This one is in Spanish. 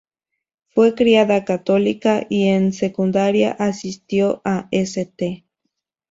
Fue criada católica, y en secundaria asistió a St.